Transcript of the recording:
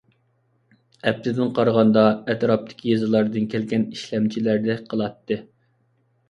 ئەپتىدىن قارىغاندا ئەتراپتىكى يېزىلاردىن كەلگەن ئىشلەمچىلەردەك قىلاتتى.